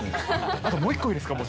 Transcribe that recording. あと、もう一個いいですか。